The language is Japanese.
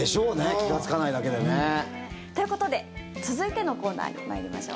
気がつかないだけでね。ということで続いてのコーナーに参りましょう。